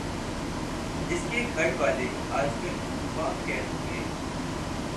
اس کے گھر والے آجکل واہ کینٹ میں